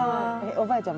おばあちゃん